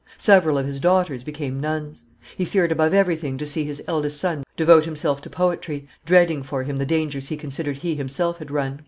Several of his daughters became nuns. He feared above everything to see his eldest son devote himself to poetry, dreading for him the dangers he considered he himself had run.